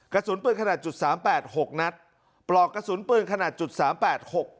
กระสุนปืนขนาดจุดสามแปดหกนัดปลอกกระสุนปืนขนาดจุดสามแปดหก